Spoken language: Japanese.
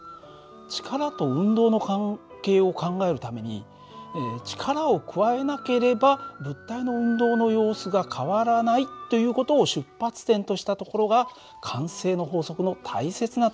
力と運動の関係を考えるために力を加えなければ物体の運動の様子が変わらないという事を出発点としたところが慣性の法則の大切なところなんです。